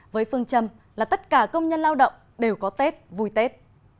với phương châm là tất cả công nhân lao động đều có tết vui tết